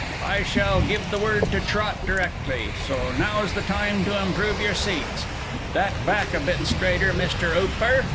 I shall give the word to trot directly, so now's the time to improve your seats that back a bit straighter, Mr. 'Ooper.